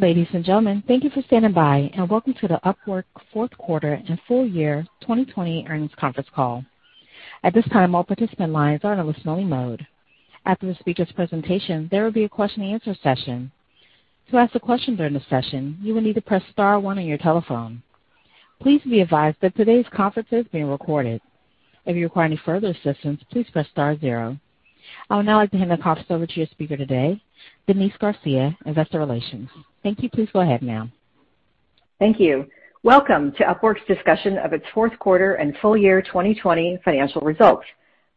Ladies and gentlemen, thank you for standing by and welcome to the Upwork fourth quarter and full year 2020 earnings conference call. At this time, all participant lines are in a listen only mode. After the speaker's presentation, there will be a question and answer session. To ask a question during the session, you will need to press star one on your telephone. Please be advised that today's conference is being recorded. If you require any further assistance, please press star zero. I would now like to hand the conference over to your speaker today, Denise Garcia, Investor Relations. Thank you. Please go ahead ma'am. Thank you. Welcome to Upwork's discussion of its fourth quarter and full year 2020 financial results.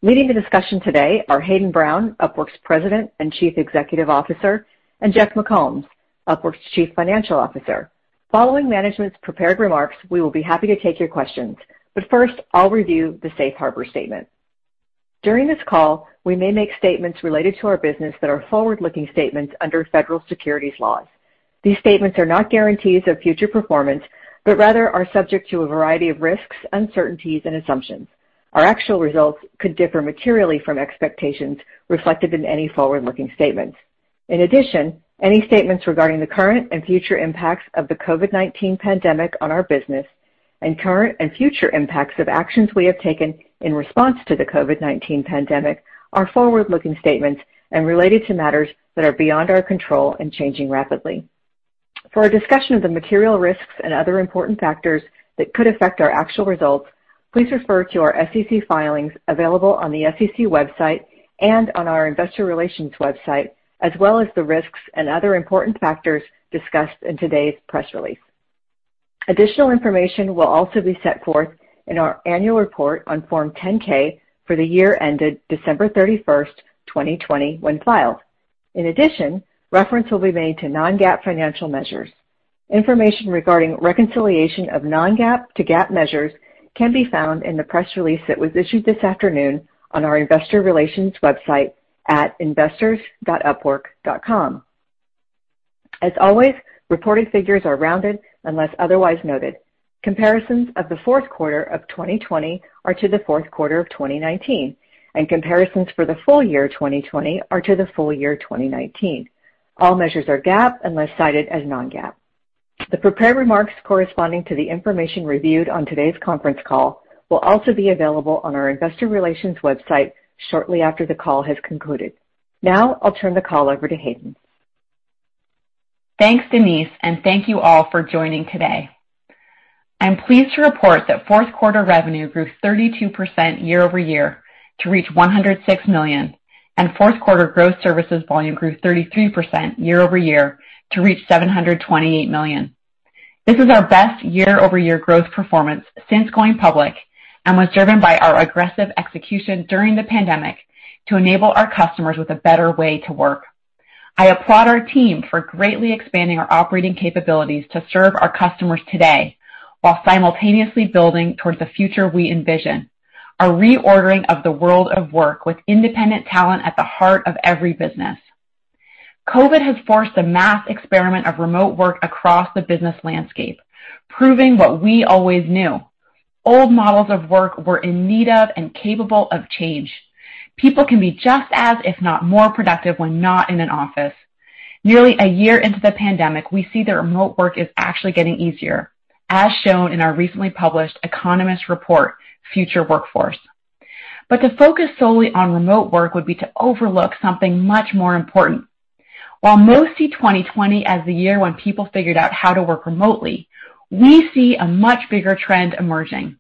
Leading the discussion today are Hayden Brown, Upwork's President and Chief Executive Officer, and Jeff McCombs, Upwork's Chief Financial Officer. Following management's prepared remarks, we will be happy to take your questions, but first I'll review the safe harbor statement. During this call, we may make statements related to our business that are forward-looking statements under federal securities laws. These statements are not guarantees of future performance, but rather are subject to a variety of risks, uncertainties, and assumptions. Our actual results could differ materially from expectations reflected in any forward-looking statements. Any statements regarding the current and future impacts of the COVID-19 pandemic on our business and current and future impacts of actions we have taken in response to the COVID-19 pandemic are forward-looking statements and related to matters that are beyond our control and changing rapidly. For a discussion of the material risks and other important factors that could affect our actual results, please refer to our SEC filings available on the SEC website and on our investor relations website, as well as the risks and other important factors discussed in today's press release. Additional information will also be set forth in our annual report on Form 10-K for the year ended December 31, 2020, when filed. Reference will be made to non-GAAP financial measures. Information regarding reconciliation of non-GAAP to GAAP measures can be found in the press release that was issued this afternoon on our investor relations website at investors.upwork.com. As always, reported figures are rounded unless otherwise noted. Comparisons of the fourth quarter of 2020 are to the fourth quarter of 2019, and comparisons for the full year 2020 are to the full year 2019. All measures are GAAP unless cited as non-GAAP. The prepared remarks corresponding to the information reviewed on today's conference call will also be available on our investor relations website shortly after the call has concluded. Now I'll turn the call over to Hayden. Thanks, Denise, and thank you all for joining today. I'm pleased to report that fourth quarter revenue grew 32% year-over-year to reach $106 million, and fourth quarter gross services volume grew 33% year-over-year to reach $728 million. This is our best year-over-year growth performance since going public and was driven by our aggressive execution during the pandemic to enable our customers with a better way to work. I applaud our team for greatly expanding our operating capabilities to serve our customers today while simultaneously building towards the future we envision, a reordering of the world of work with independent talent at the heart of every business. COVID has forced a mass experiment of remote work across the business landscape, proving what we always knew. Old models of work were in need of and capable of change. People can be just as, if not more productive when not in an office. Nearly a year into the pandemic, we see that remote work is actually getting easier, as shown in our recently published Economist Report: Future Workforce. To focus solely on remote work would be to overlook something much more important. While most see 2020 as the year when people figured out how to work remotely, we see a much bigger trend emerging.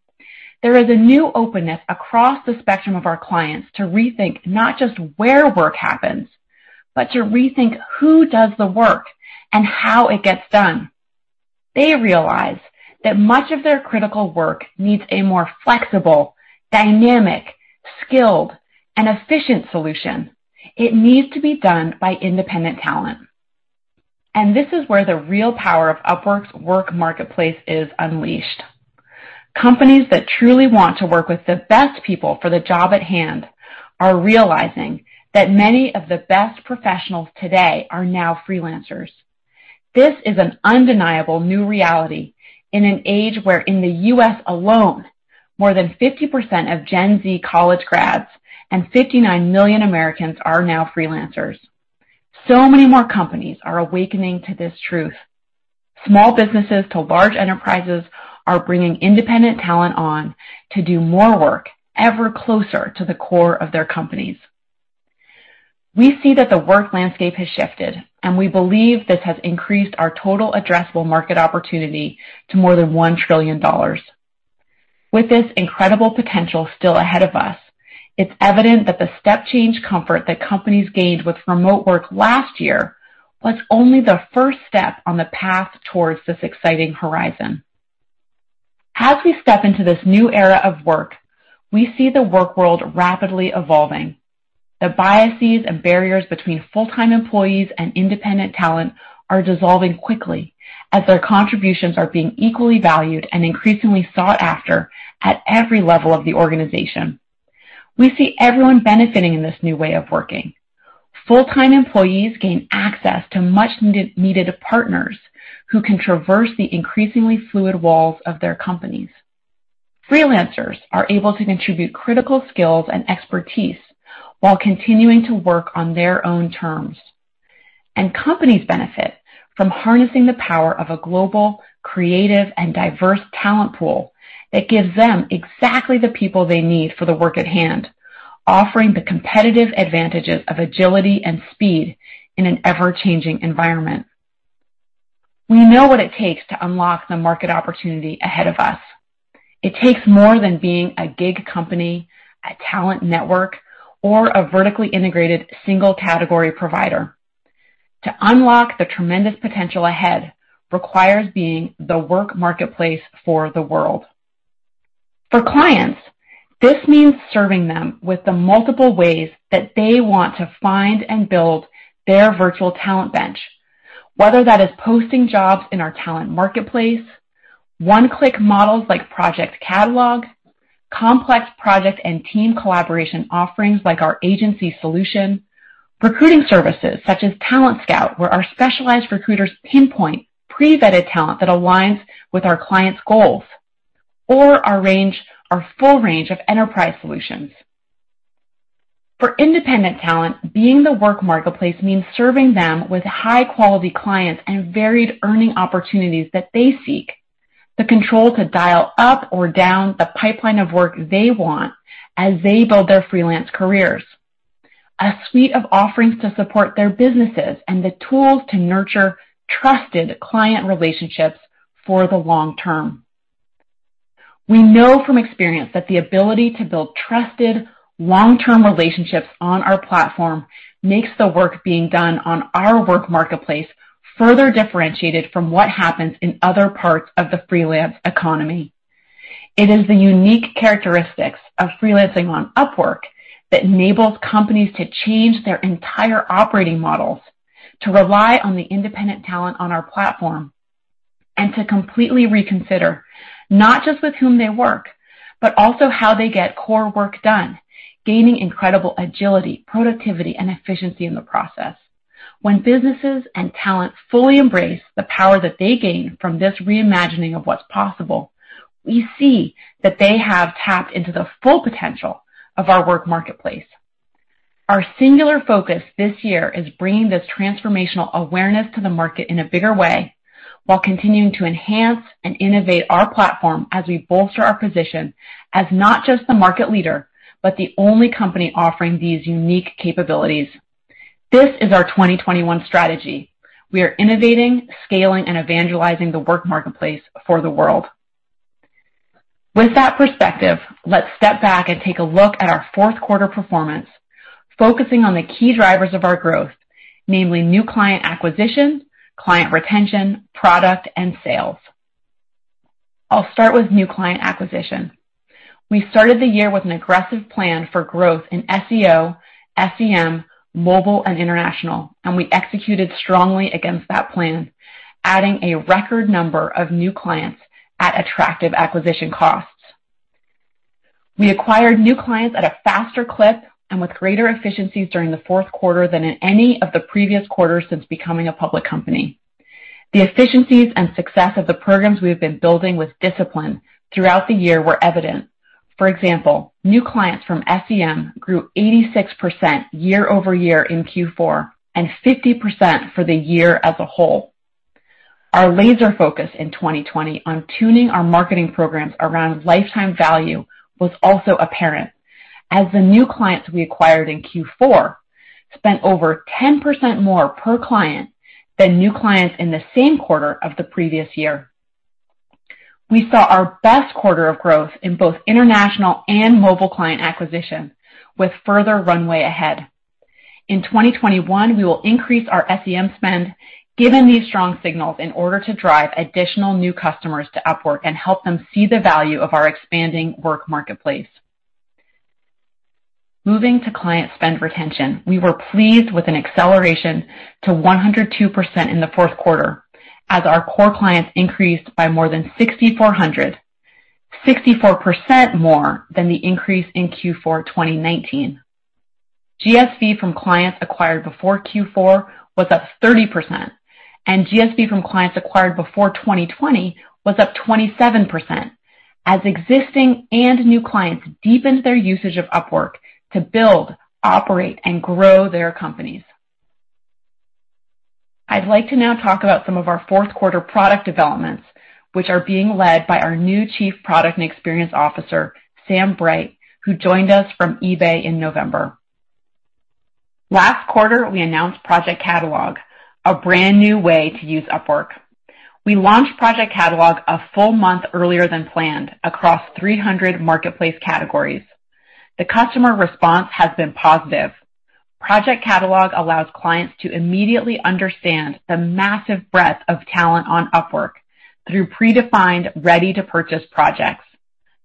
There is a new openness across the spectrum of our clients to rethink not just where work happens, but to rethink who does the work and how it gets done. They realize that much of their critical work needs a more flexible, dynamic, skilled, and efficient solution. It needs to be done by independent talent. This is where the real power of Upwork's work marketplace is unleashed. Companies that truly want to work with the best people for the job at hand are realizing that many of the best professionals today are now freelancers. This is an undeniable new reality in an age where in the U.S. alone, more than 50% of Gen Z college grads and 59 million Americans are now freelancers. Many more companies are awakening to this truth. Small businesses to large enterprises are bringing independent talent on to do more work ever closer to the core of their companies. We see that the work landscape has shifted, and we believe this has increased our total addressable market opportunity to more than $1 trillion. With this incredible potential still ahead of us, it's evident that the step change comfort that companies gained with remote work last year was only the first step on the path towards this exciting horizon. As we step into this new era of work, we see the work world rapidly evolving. The biases and barriers between full-time employees and independent talent are dissolving quickly as their contributions are being equally valued and increasingly sought after at every level of the organization. We see everyone benefiting in this new way of working. Full-time employees gain access to much-needed partners who can traverse the increasingly fluid walls of their companies. Freelancers are able to contribute critical skills and expertise while continuing to work on their own terms. Companies benefit from harnessing the power of a global, creative, and diverse talent pool that gives them exactly the people they need for the work at hand, offering the competitive advantages of agility and speed in an ever-changing environment. We know what it takes to unlock the market opportunity ahead of us. It takes more than being a gig company, a talent network, or a vertically integrated single-category provider. To unlock the tremendous potential ahead requires being the work marketplace for the world. For clients, this means serving them with the multiple ways that they want to find and build their Virtual Talent Bench, whether that is posting jobs in our Talent Marketplace, one-click models like Project Catalog, complex project and team collaboration offerings like our Agency solution, recruiting services such as Talent Scout, where our specialized recruiters pinpoint pre-vetted talent that aligns with our clients' goals, or our full range of enterprise solutions. For independent talent, being the work marketplace means serving them with high-quality clients and varied earning opportunities that they seek, the control to dial up or down the pipeline of work they want as they build their freelance careers, a suite of offerings to support their businesses, and the tools to nurture trusted client relationships for the long term. We know from experience that the ability to build trusted, long-term relationships on our platform makes the work being done on our work marketplace further differentiated from what happens in other parts of the freelance economy. It is the unique characteristics of freelancing on Upwork that enables companies to change their entire operating models to rely on the independent talent on our platform and to completely reconsider not just with whom they work, but also how they get core work done, gaining incredible agility, productivity, and efficiency in the process. When businesses and talent fully embrace the power that they gain from this re-imagining of what's possible, we see that they have tapped into the full potential of our work marketplace. Our singular focus this year is bringing this transformational awareness to the market in a bigger way while continuing to enhance and innovate our platform as we bolster our position as not just the market leader, but the only company offering these unique capabilities. This is our 2021 strategy. We are innovating, scaling, and evangelizing the work marketplace for the world. With that perspective, let's step back and take a look at our fourth quarter performance, focusing on the key drivers of our growth, namely new client acquisition, client retention, product, and sales. I'll start with new client acquisition. We started the year with an aggressive plan for growth in SEO, SEM, mobile, and international. We executed strongly against that plan, adding a record number of new clients at attractive acquisition costs. We acquired new clients at a faster clip and with greater efficiencies during the fourth quarter than in any of the previous quarters since becoming a public company. The efficiencies and success of the programs we have been building with discipline throughout the year were evident. For example, new clients from SEM grew 86% year-over-year in Q4, and 50% for the year as a whole. Our laser focus in 2020 on tuning our marketing programs around lifetime value was also apparent as the new clients we acquired in Q4 spent over 10% more per client than new clients in the same quarter of the previous year. We saw our best quarter of growth in both international and mobile client acquisition with further runway ahead. In 2021, we will increase our SEM spend given these strong signals in order to drive additional new customers to Upwork and help them see the value of our expanding work marketplace. Moving to client spend retention, we were pleased with an acceleration to 102% in the fourth quarter as our core clients increased by more than 6,400, 64% more than the increase in Q4 2019. GSV from clients acquired before Q4 was up 30%, and GSV from clients acquired before 2020 was up 27% as existing and new clients deepened their usage of Upwork to build, operate, and grow their companies. I'd like to now talk about some of our fourth quarter product developments, which are being led by our new Chief Product and Experience Officer, Sam Bright, who joined us from eBay in November. Last quarter, we announced Project Catalog, a brand-new way to use Upwork. We launched Project Catalog a full month earlier than planned across 300 marketplace categories. The customer response has been positive. Project Catalog allows clients to immediately understand the massive breadth of talent on Upwork through predefined ready-to-purchase projects.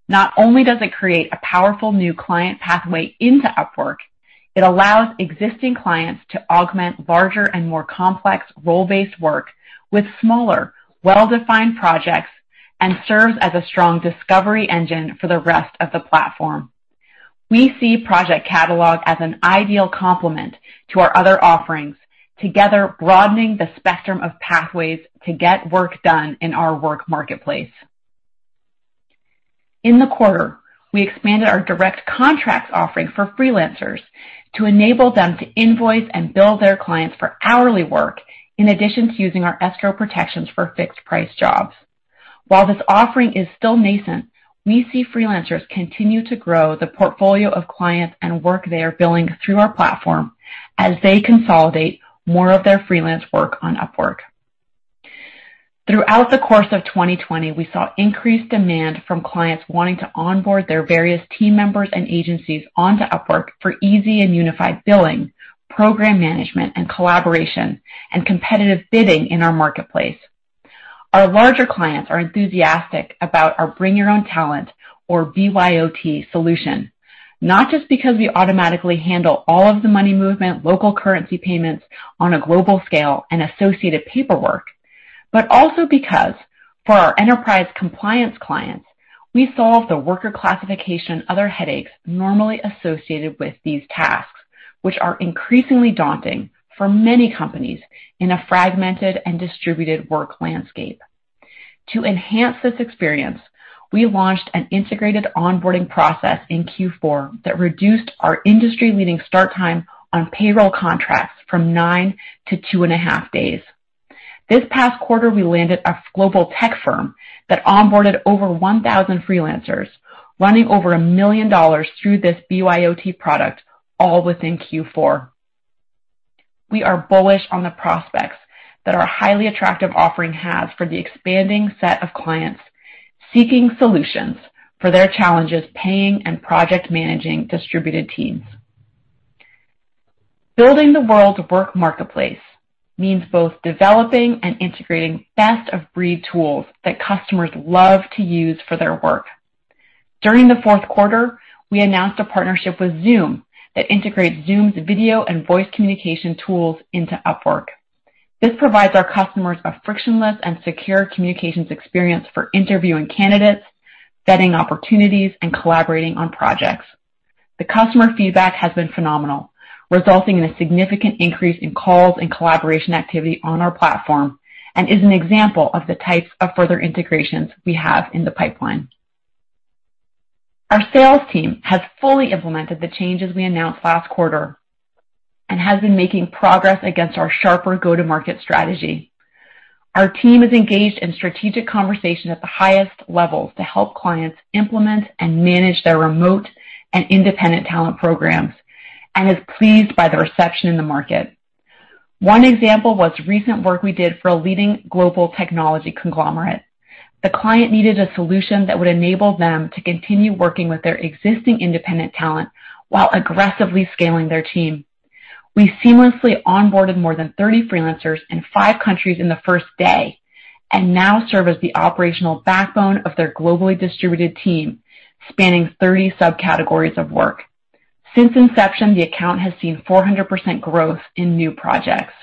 Not only does it create a powerful new client pathway into Upwork, it allows existing clients to augment larger and more complex role-based work with smaller, well-defined projects and serves as a strong discovery engine for the rest of the platform. We see Project Catalog as an ideal complement to our other offerings, together broadening the spectrum of pathways to get work done in our work marketplace. In the quarter, we expanded our direct contracts offering for freelancers to enable them to invoice and bill their clients for hourly work, in addition to using our escrow protections for fixed price jobs. While this offering is still nascent, we see freelancers continue to grow the portfolio of clients and work they are billing through our platform as they consolidate more of their freelance work on Upwork. Throughout the course of 2020, we saw increased demand from clients wanting to onboard their various team members and agencies onto Upwork for easy and unified billing, program management and collaboration, and competitive bidding in our marketplace. Our larger clients are enthusiastic about our Bring Your Own Talent, or BYOT solution. Not just because we automatically handle all of the money movement, local currency payments on a global scale, and associated paperwork, but also because for our enterprise compliance clients, we solve the worker classification other headaches normally associated with these tasks, which are increasingly daunting for many companies in a fragmented and distributed work landscape. To enhance this experience, we launched an integrated onboarding process in Q4 that reduced our industry-leading start time on payroll contracts from nine to two and a half days. This past quarter, we landed a global tech firm that onboarded over 1,000 freelancers running over $1 million through this BYOT product all within Q4. We are bullish on the prospects that our highly attractive offering has for the expanding set of clients seeking solutions for their challenges paying and project managing distributed teams. Building the world's work marketplace means both developing and integrating best of breed tools that customers love to use for their work. During the fourth quarter, we announced a partnership with Zoom that integrates Zoom's video and voice communication tools into Upwork. This provides our customers a frictionless and secure communications experience for interviewing candidates, vetting opportunities, and collaborating on projects. The customer feedback has been phenomenal, resulting in a significant increase in calls and collaboration activity on our platform, is an example of the types of further integrations we have in the pipeline. Our sales team has fully implemented the changes we announced last quarter and has been making progress against our sharper go-to-market strategy. Our team is engaged in strategic conversation at the highest levels to help clients implement and manage their remote and independent talent programs, is pleased by the reception in the market. One example was recent work we did for a leading global technology conglomerate. The client needed a solution that would enable them to continue working with their existing independent talent while aggressively scaling their team. We seamlessly onboarded more than 30 freelancers in five countries in the first day and now serve as the operational backbone of their globally distributed team, spanning 30 subcategories of work. Since inception, the account has seen 400% growth in new projects.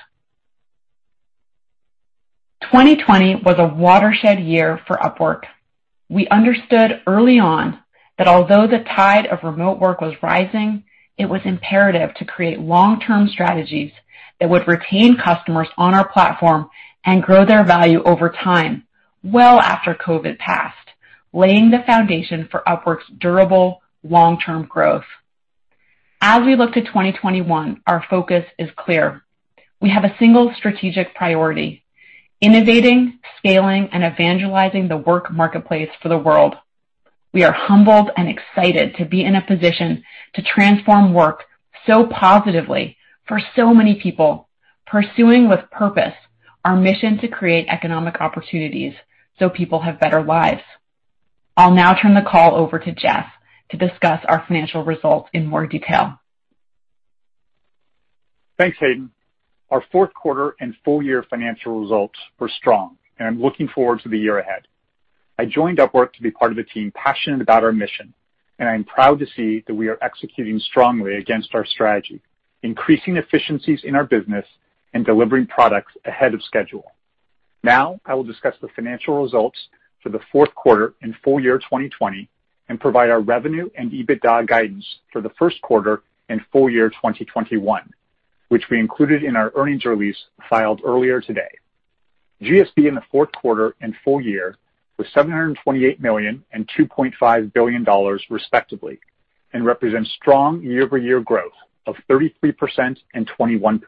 2020 was a watershed year for Upwork. We understood early on that although the tide of remote work was rising, it was imperative to create long-term strategies that would retain customers on our platform and grow their value over time, well after COVID passed, laying the foundation for Upwork's durable long-term growth. As we look to 2021, our focus is clear. We have a single strategic priority: innovating, scaling, and evangelizing the work marketplace for the world. We are humbled and excited to be in a position to transform work so positively for so many people, pursuing with purpose our mission to create economic opportunities so people have better lives. I'll now turn the call over to Jeff to discuss our financial results in more detail. Thanks, Hayden. Our fourth quarter and full year financial results were strong. I'm looking forward to the year ahead. I joined Upwork to be part of a team passionate about our mission, and I'm proud to see that we are executing strongly against our strategy, increasing efficiencies in our business and delivering products ahead of schedule. Now I will discuss the financial results for the fourth quarter and full year 2020 and provide our revenue and EBITDA guidance for the first quarter and full year 2021, which we included in our earnings release filed earlier today. GSV in the fourth quarter and full year was $728 million and $2.5 billion respectively and represents strong year-over-year growth of 33% and 21%.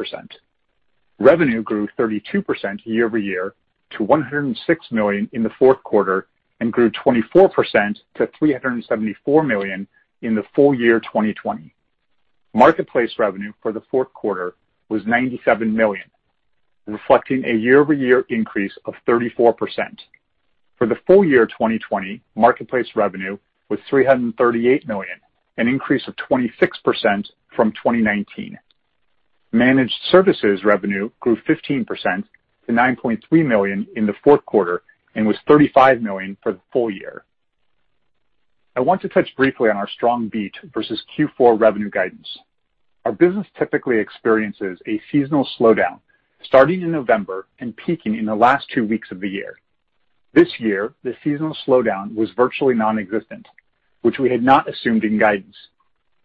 Revenue grew 32% year-over-year to $106 million in the fourth quarter and grew 24% to $374 million in the full year 2020. Marketplace revenue for the fourth quarter was $97 million, reflecting a year-over-year increase of 34%. For the full year 2020, marketplace revenue was $338 million, an increase of 26% from 2019. Managed services revenue grew 15% to $9.3 million in the fourth quarter and was $35 million for the full year. I want to touch briefly on our strong beat versus Q4 revenue guidance. Our business typically experiences a seasonal slowdown starting in November and peaking in the last two weeks of the year. This year, the seasonal slowdown was virtually non-existent, which we had not assumed in guidance.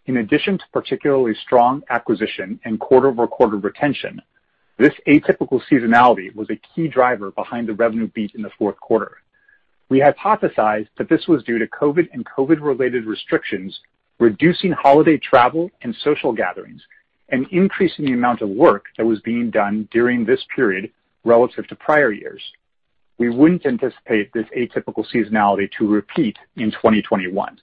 In addition to particularly strong acquisition and quarter-over-quarter retention, this atypical seasonality was a key driver behind the revenue beat in the fourth quarter. We hypothesized that this was due to COVID and COVID-related restrictions, reducing holiday travel and social gatherings, and increasing the amount of work that was being done during this period relative to prior years. We wouldn't anticipate this atypical seasonality to repeat in 2021.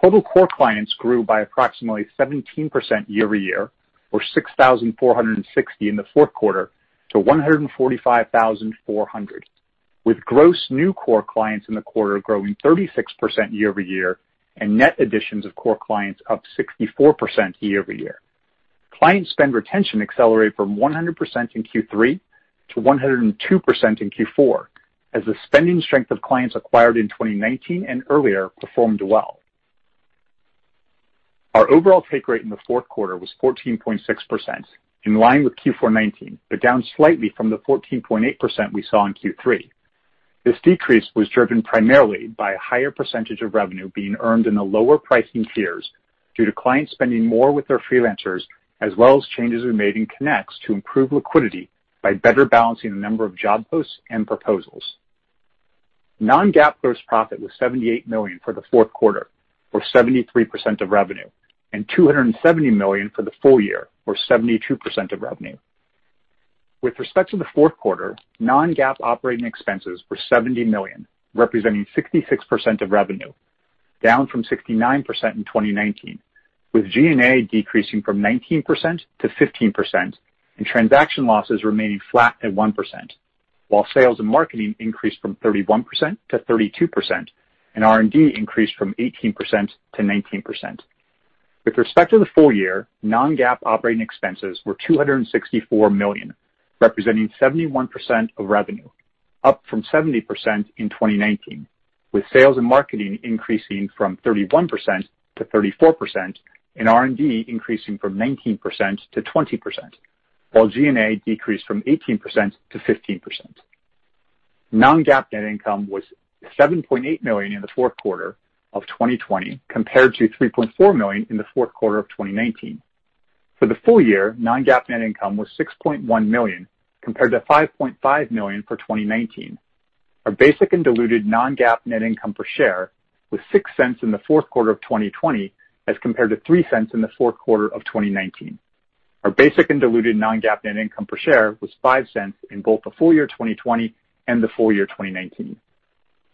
Total core clients grew by approximately 17% year-over-year, or 6,460 in the fourth quarter to 145,400, with gross new core clients in the quarter growing 36% year-over-year, and net additions of core clients up 64% year-over-year. Client spend retention accelerated from 100% in Q3 to 102% in Q4, as the spending strength of clients acquired in 2019 and earlier performed well. Our overall take rate in the fourth quarter was 14.6%, in line with Q4 2019, but down slightly from the 14.8% we saw in Q3. This decrease was driven primarily by a higher percentage of revenue being earned in the lower pricing tiers due to clients spending more with their freelancers, as well as changes we made in Connects to improve liquidity by better balancing the number of job posts and proposals. Non-GAAP gross profit was $78 million for the fourth quarter, or 73% of revenue, and $270 million for the full year, or 72% of revenue. With respect to the fourth quarter, non-GAAP operating expenses were $70 million, representing 66% of revenue, down from 69% in 2019, with G&A decreasing from 19% to 15% and transaction losses remaining flat at 1%, while sales and marketing increased from 31% to 32%, and R&D increased from 18% to 19%. With respect to the full year, non-GAAP operating expenses were $264 million, representing 71% of revenue, up from 70% in 2019, with sales and marketing increasing from 31% to 34% and R&D increasing from 19% to 20%, while G&A decreased from 18% to 15%. Non-GAAP net income was $7.8 million in the fourth quarter of 2020 compared to $3.4 million in the fourth quarter of 2019. For the full year, non-GAAP net income was $6.1 million, compared to $5.5 million for 2019. Our basic and diluted non-GAAP net income per share was $0.06 in the fourth quarter of 2020 as compared to $0.03 in the fourth quarter of 2019. Our basic and diluted non-GAAP net income per share was $0.05 in both the full year 2020 and the full year 2019.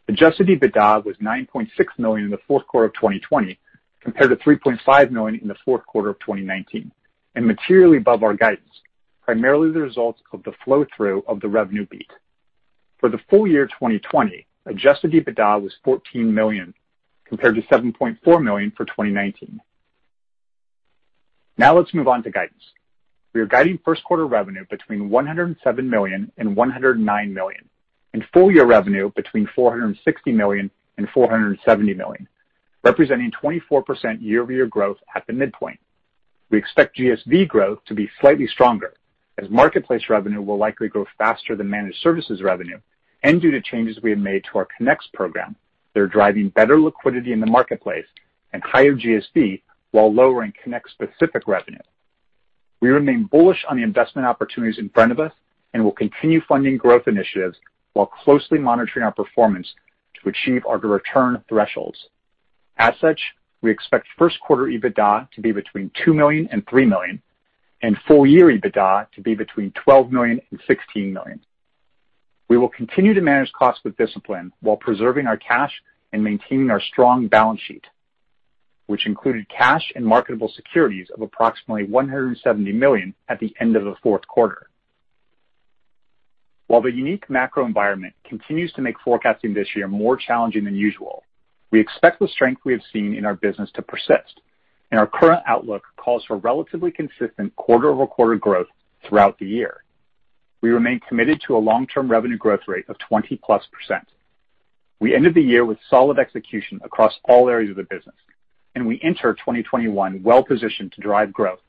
Adjusted EBITDA was $9.6 million in the fourth quarter of 2020 compared to $3.5 million in the fourth quarter of 2019, and materially above our guidance, primarily the results of the flow-through of the revenue beat. For the full year 2020, adjusted EBITDA was $14 million, compared to $7.4 million for 2019. Now let's move on to guidance. We are guiding first quarter revenue between $107 million and $109 million, and full year revenue between $460 million and $470 million, representing 24% year-over-year growth at the midpoint. We expect GSV growth to be slightly stronger as marketplace revenue will likely grow faster than managed services revenue, and due to changes we have made to the Connects program that are driving better liquidity in the marketplace and higher GSV while lowering Connect-specific revenue. We remain bullish on the investment opportunities in front of us and will continue funding growth initiatives while closely monitoring our performance to achieve our return thresholds. As such, we expect first quarter EBITDA to be between $2 million and $3 million, and full year EBITDA to be between $12 million and $16 million. We will continue to manage costs with discipline while preserving our cash and maintaining our strong balance sheet, which included cash and marketable securities of approximately $170 million at the end of the fourth quarter. While the unique macro environment continues to make forecasting this year more challenging than usual, we expect the strength we have seen in our business to persist, and our current outlook calls for relatively consistent quarter-over-quarter growth throughout the year. We remain committed to a long-term revenue growth rate of 20%+. We ended the year with solid execution across all areas of the business, and we enter 2021 well-positioned to drive growth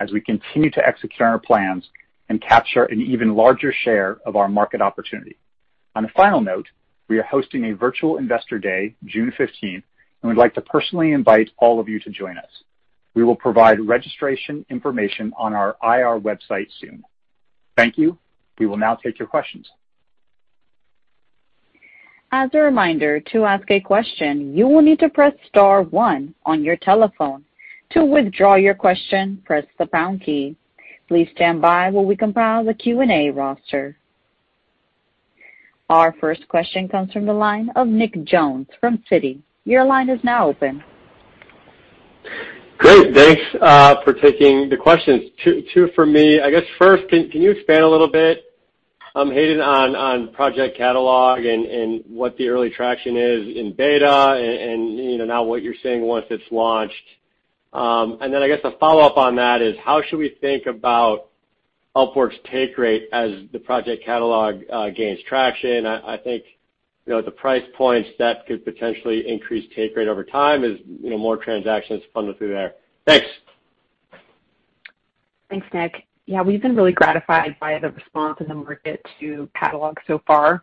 as we continue to execute on our plans and capture an even larger share of our market opportunity. On a final note, we are hosting a virtual Investor Day June 15th, and we'd like to personally invite all of you to join us. We will provide registration information on our IR website soon. Thank you. We will now take your questions. As a reminder, to ask a question, you will need to press star one on your telephone. To withdraw your question, press the pound key. Please stand by while we compile the Q&A roster. Our first question comes from the line of Nick Jones from Citi. Your line is now open. Great. Thanks for taking the questions. Two for me. I guess first, can you expand a little bit, Hayden, on Project Catalog and what the early traction is in beta and now what you're seeing once it's launched? Then I guess a follow-up on that is how should we think about Upwork's take rate as the Project Catalog gains traction. I think the price points that could potentially increase take rate over time as more transactions funnel through there. Thanks. Thanks, Nick. Yeah, we've been really gratified by the response in the market to Catalog so far.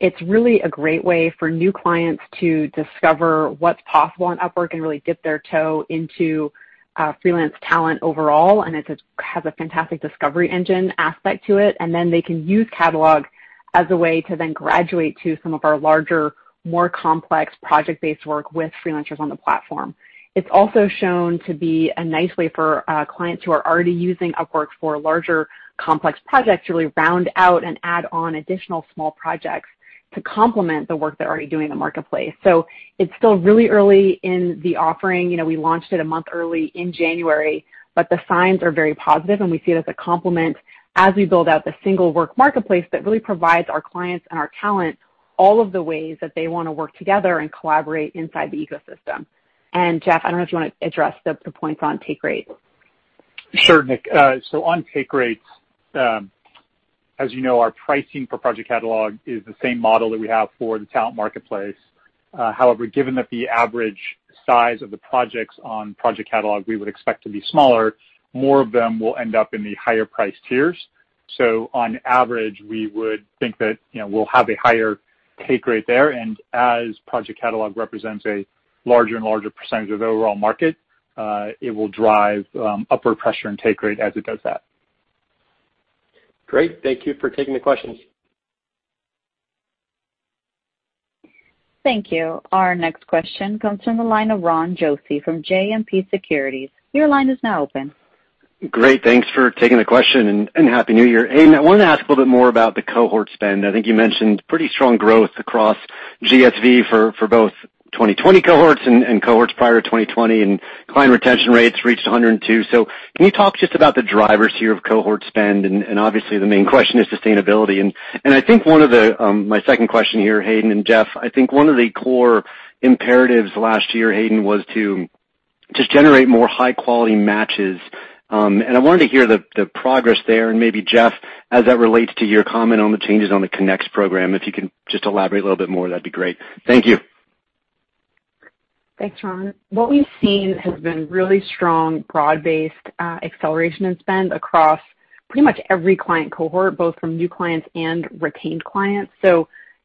It's really a great way for new clients to discover what's possible on Upwork and really dip their toe into freelance talent overall, and it has a fantastic discovery engine aspect to it. Then they can use Catalog as a way to then graduate to some of our larger, more complex project-based work with freelancers on the platform. It's also shown to be a nice way for clients who are already using Upwork for larger, complex projects to really round out and add on additional small projects to complement the work they're already doing in the marketplace. It's still really early in the offering. We launched it a month early in January, but the signs are very positive, and we see it as a complement as we build out the single work marketplace that really provides our clients and our talent all of the ways that they want to work together and collaborate inside the ecosystem. Jeff, I don't know if you want to address the points on take rate? Sure, Nick. On take rates, as you know, our pricing for Project Catalog is the same model that we have for the talent marketplace. However, given that the average size of the projects on Project Catalog we would expect to be smaller, more of them will end up in the higher price tiers. On average, we would think that we'll have a higher take rate there, and as Project Catalog represents a larger and larger percentage of the overall market, it will drive upward pressure and take rate as it does that. Great. Thank you for taking the questions. Thank you. Our next question comes from the line of Ron Josey from JMP Securities. Your line is now open. Great. Thanks for taking the question. Happy New Year. Hayden, I want to ask a little bit more about the cohort spend. I think you mentioned pretty strong growth across GSV for both 2020 cohorts and cohorts prior to 2020. Client retention rates reached 102. Can you talk just about the drivers here of cohort spend? Obviously, the main question is sustainability. I think my second question here, Hayden and Jeff, I think one of the core imperatives last year, Hayden, was to just generate more high-quality matches. I wanted to hear the progress there and maybe, Jeff, as that relates to your comment on the changes on the Connects program, if you can just elaborate a little bit more, that'd be great. Thank you. Thanks, Ron. What we've seen has been really strong, broad-based acceleration in spend across pretty much every client cohort, both from new clients and retained clients.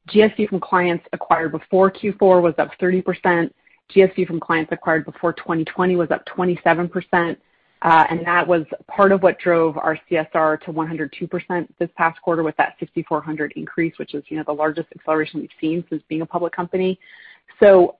GSV from clients acquired before Q4 was up 30%, GSV from clients acquired before 2020 was up 27%, and that was part of what drove our CSR to 102% this past quarter with that 6,400 increase, which is the largest acceleration we've seen since being a public company.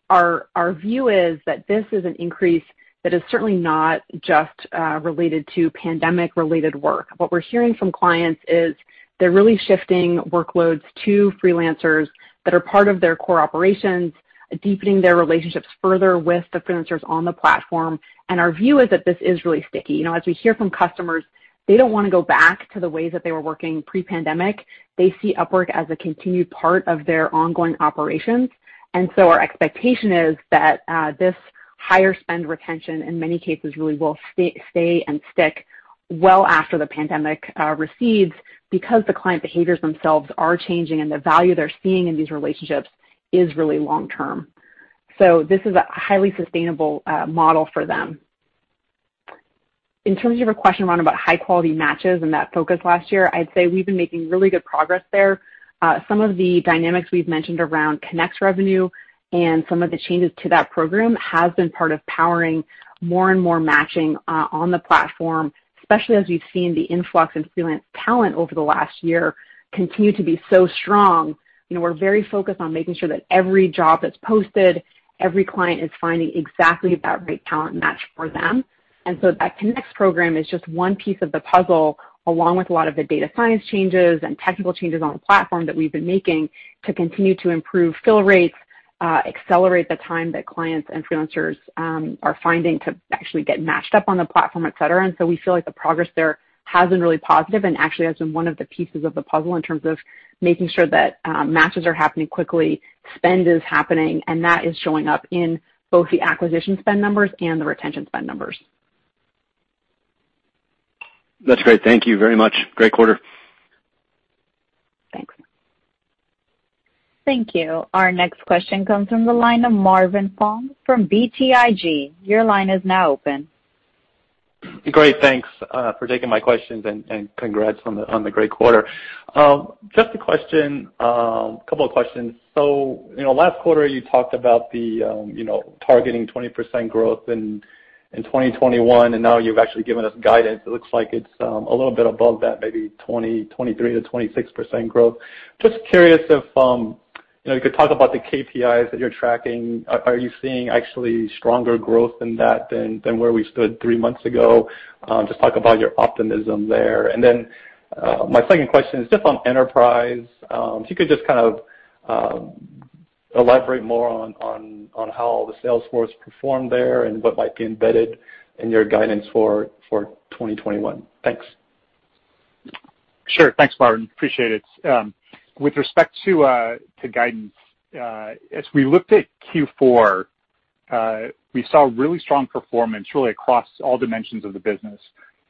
Our view is that this is an increase that is certainly not just related to pandemic-related work. What we're hearing from clients is they're really shifting workloads to freelancers that are part of their core operations, deepening their relationships further with the freelancers on the platform. Our view is that this is really sticky. As we hear from customers, they don't want to go back to the ways that they were working pre-pandemic. They see Upwork as a continued part of their ongoing operations. Our expectation is that this higher spend retention, in many cases, really will stay and stick well after the pandemic recedes because the client behaviors themselves are changing and the value they're seeing in these relationships is really long-term. This is a highly sustainable model for them. In terms of your question, Ron, about high-quality matches and that focus last year, I'd say we've been making really good progress there. Some of the dynamics we've mentioned around Connect revenue and some of the changes to that program has been part of powering more and more matching on the platform, especially as we've seen the influx in freelance talent over the last year continue to be so strong. We're very focused on making sure that every job that's posted, every client is finding exactly that right talent match for them. That Connects program is just one piece of the puzzle, along with a lot of the data science changes and technical changes on the platform that we've been making to continue to improve fill rates, accelerate the time that clients and freelancers are finding to actually get matched up on the platform, et cetera. We feel like the progress there has been really positive and actually has been one of the pieces of the puzzle in terms of making sure that matches are happening quickly, spend is happening, and that is showing up in both the acquisition spend numbers and the retention spend numbers. That's great. Thank you very much. Great quarter. Thanks. Thank you. Our next question comes from the line of Marvin Fong from BTIG. Your line is now open. Great. Thanks for taking my questions and congrats on the great quarter. Just a couple of questions. Last quarter, you talked about targeting 20% growth in 2021, and now you've actually given us guidance. It looks like it's a little bit above that, maybe 23%-26% growth. Just curious if you could talk about the KPIs that you're tracking. Are you seeing actually stronger growth than that than where we stood three months ago? Just talk about your optimism there. Then my second question is just on enterprise. If you could just elaborate more on how the sales force performed there and what might be embedded in your guidance for 2021. Thanks. Sure. Thanks, Marvin. Appreciate it. With respect to guidance, as we looked at Q4, we saw really strong performance really across all dimensions of the business,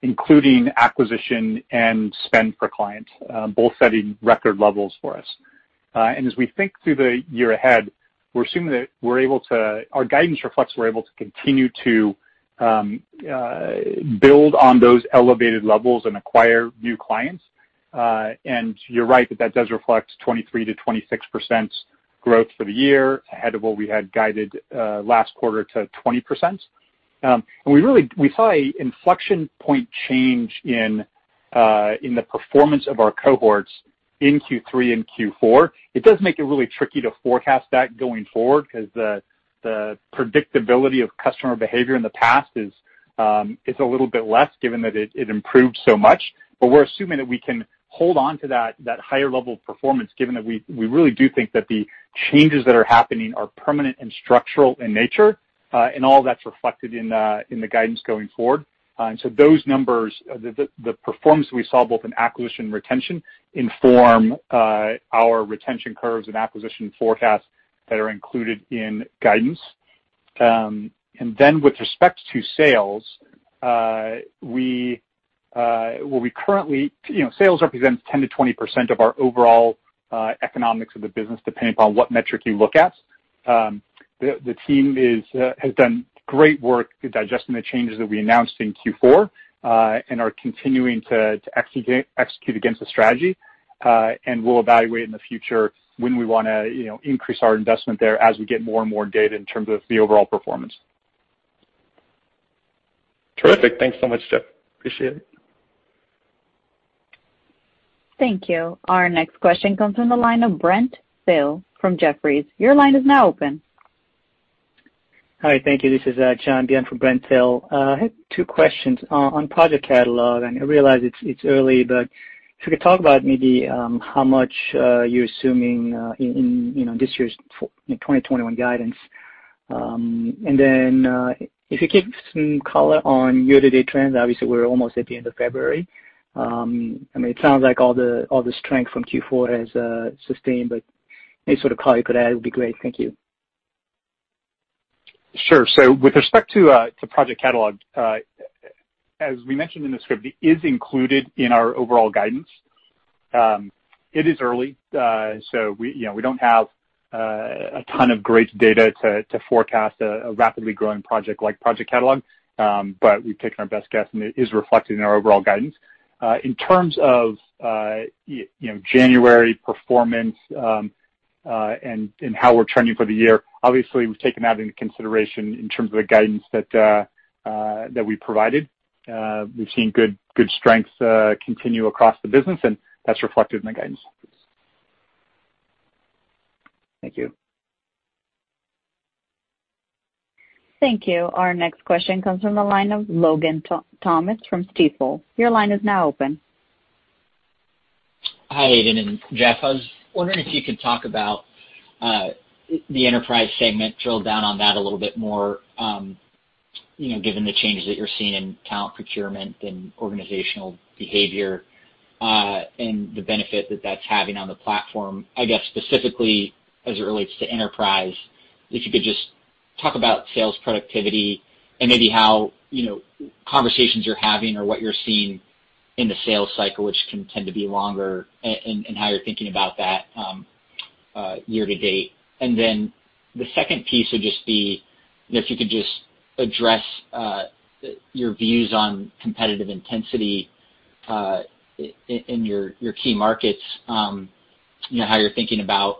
including acquisition and spend for clients, both setting record levels for us. As we think through the year ahead, our guidance reflects we're able to continue to build on those elevated levels and acquire new clients. You're right that that does reflect 23%-26% growth for the year ahead of what we had guided last quarter to 20%. We saw a inflection point change in the performance of our cohorts in Q3 and Q4. It does make it really tricky to forecast that going forward because the predictability of customer behavior in the past is a little bit less given that it improved so much. We're assuming that we can hold on to that higher level of performance given that we really do think that the changes that are happening are permanent and structural in nature. All that's reflected in the guidance going forward. Those numbers, the performance we saw both in acquisition and retention inform our retention curves and acquisition forecasts that are included in guidance. With respect to sales, sales represents 10%-20% of our overall economics of the business depending upon what metric you look at. The team has done great work in digesting the changes that we announced in Q4 and are continuing to execute against the strategy. We'll evaluate in the future when we want to increase our investment there as we get more and more data in terms of the overall performance. Terrific. Thanks so much, Jeff. Appreciate it. Thank you. Our next question comes from the line of Brent Thill from Jefferies. Your line is now open. Hi. Thank you. This is John Byun for Brent Thill. I had two questions. On Project Catalog, and I realize it's early, but if you could talk about maybe how much you're assuming in this year's 2021 guidance. If you could give some color on year-to-date trends, obviously we're almost at the end of February. It sounds like all the strength from Q4 has sustained, but any sort of color you could add would be great. Thank you. With respect to Project Catalog, as we mentioned in the script, it is included in our overall guidance. It is early, so we don't have a ton of great data to forecast a rapidly growing project like Project Catalog, but we've taken our best guess, and it is reflected in our overall guidance. In terms of January performance and how we're trending for the year, obviously we've taken that into consideration in terms of the guidance that we provided. We've seen good strengths continue across the business, and that's reflected in the guidance. Thank you. Thank you. Our next question comes from the line of Logan Thomas from Stifel. Your line is now open. Hi, Hayden and Jeff. I was wondering if you could talk about the enterprise segment, drill down on that a little bit more given the changes that you're seeing in talent procurement and organizational behavior and the benefit that that's having on the platform. I guess specifically as it relates to enterprise, if you could just talk about sales productivity and maybe how conversations you're having or what you're seeing in the sales cycle, which can tend to be longer, and how you're thinking about that year-to-date. The second piece would just be if you could just address your views on competitive intensity in your key markets, how you're thinking about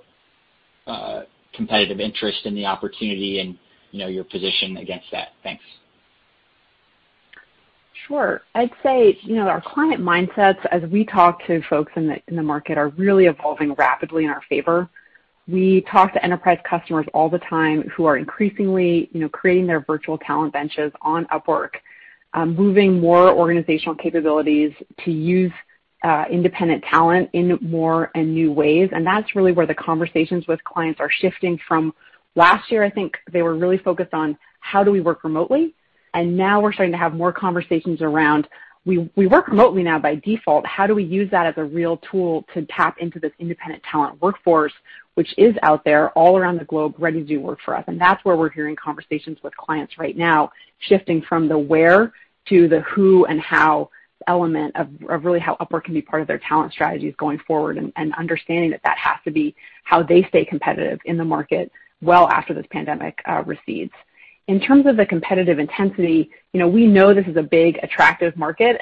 competitive interest and the opportunity and your position against that. Thanks. Sure. I'd say our client mindsets, as we talk to folks in the market, are really evolving rapidly in our favor. We talk to enterprise customers all the time who are increasingly creating their Virtual Talent Benches on Upwork, moving more organizational capabilities to use independent talent in more and new ways. That's really where the conversations with clients are shifting from last year, I think they were really focused on how do we work remotely, and now we're starting to have more conversations around, we work remotely now by default, how do we use that as a real tool to tap into this independent talent workforce, which is out there all around the globe ready to do work for us? That's where we're hearing conversations with clients right now shifting from the where to the who and how element of really how Upwork can be part of their talent strategies going forward and understanding that that has to be how they stay competitive in the market well after this pandemic recedes. In terms of the competitive intensity, we know this is a big, attractive market,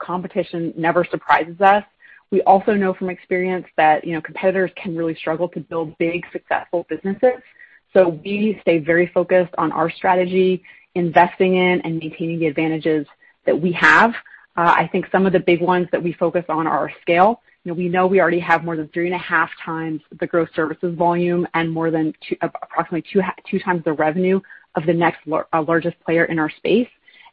competition never surprises us. We also know from experience that competitors can really struggle to build big, successful businesses. We stay very focused on our strategy, investing in and maintaining the advantages that we have. I think some of the big ones that we focus on are scale. We know we already have more than 3.5x the gross services volume and more than approximately 2x the revenue of the next largest player in our space.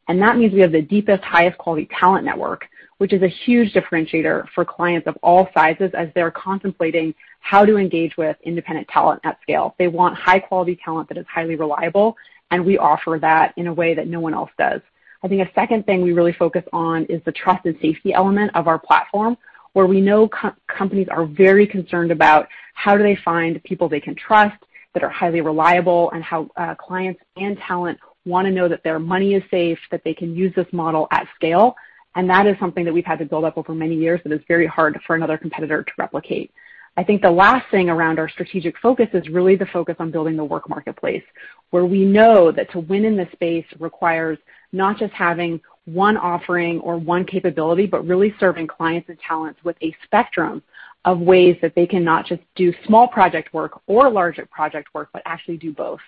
That means we have the deepest, highest quality talent network, which is a huge differentiator for clients of all sizes as they're contemplating how to engage with independent talent at scale. They want high-quality talent that is highly reliable, and we offer that in a way that no one else does. I think a second thing we really focus on is the trust and safety element of our platform, where we know companies are very concerned about how do they find people they can trust that are highly reliable and how clients and talent want to know that their money is safe, that they can use this model at scale. That is something that we've had to build up over many years that is very hard for another competitor to replicate. I think the last thing around our strategic focus is really the focus on building the work marketplace, where we know that to win in this space requires not just having one offering or one capability, but really serving clients and talents with a spectrum of ways that they can not just do small project work or larger project work, but actually do both.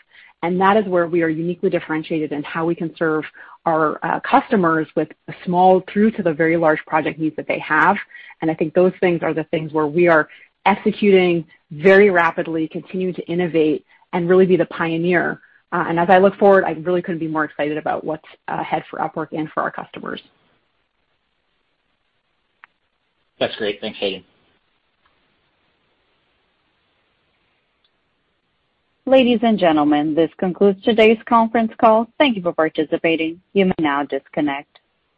That is where we are uniquely differentiated in how we can serve our customers with the small through to the very large project needs that they have. I think those things are the things where we are executing very rapidly, continuing to innovate and really be the pioneer. As I look forward, I really couldn't be more excited about what's ahead for Upwork and for our customers. That's great. Thanks, Hayden. Ladies and gentlemen, this concludes today's conference call. Thank you for participating. You may now disconnect.